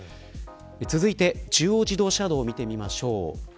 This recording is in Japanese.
続いて中央自動車道を見てみましょう。